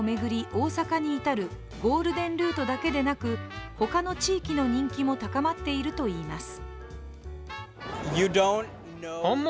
大阪に至る、ゴールデン・ルートだけでなくほかの地域の人気も高まっているといいます。